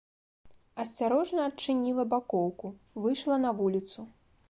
Асцярожна адчыніла бакоўку, выйшла на вуліцу.